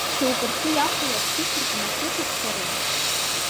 Шьоукы рхы иахәаларц иқәыртәаны ҳрыхәаԥшларыма?